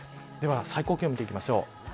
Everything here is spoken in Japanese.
では、最高気温を見ていきます。